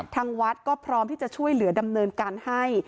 ทางวัดก็พร้อมที่จะช่วยเหลือดำเนินการให้